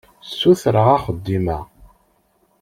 Ssutreɣ axeddim-a.